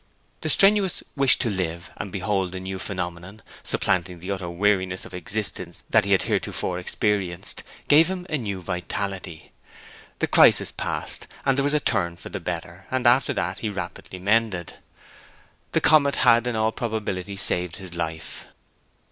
The strenuous wish to live and behold the new phenomenon, supplanting the utter weariness of existence that he had heretofore experienced, gave him a new vitality. The crisis passed; there was a turn for the better; and after that he rapidly mended. The comet had in all probability saved his life.